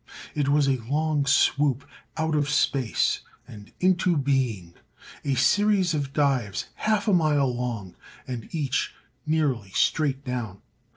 It was a long swoop out of space and into being; a series of dives half a mile long and each nearly straight down.